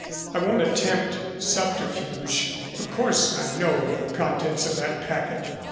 "I won't attempt subterfuge. Of course, I know the contents of that packet."